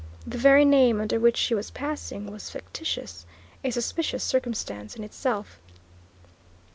The very name under which she was passing was fictitious a suspicious circumstance in itself.